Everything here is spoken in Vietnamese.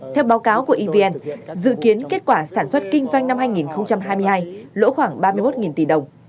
theo báo cáo của evn dự kiến kết quả sản xuất kinh doanh năm hai nghìn hai mươi hai lỗ khoảng ba mươi một tỷ đồng